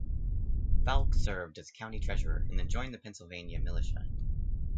Faulk served as county treasurer and then joined the Pennsylvania militia.